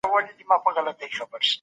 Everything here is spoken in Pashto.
که په خوړو کې د غوړیو اندازه کمه وي.